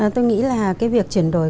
tôi nghĩ là việc chuyển đổi